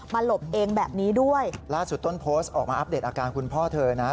หลบเองแบบนี้ด้วยล่าสุดต้นโพสต์ออกมาอัปเดตอาการคุณพ่อเธอนะ